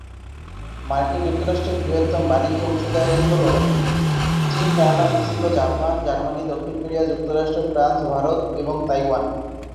মার্কিন যুক্তরাষ্ট্রের বৃহত্তম বাণিজ্য অংশীদার হল চীন, কানাডা, মেক্সিকো, জাপান, জার্মানি, দক্ষিণ কোরিয়া, যুক্তরাজ্য, ফ্রান্স, ভারত এবং তাইওয়ান।